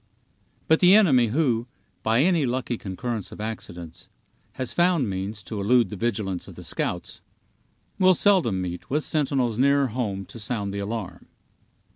But the enemy who, by any lucky concurrence of accidents, has found means to elude the vigilance of the scouts, will seldom meet with sentinels nearer home to sound the alarm.